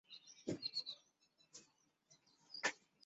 胡璋剑杨帆潘羿捷移佳辰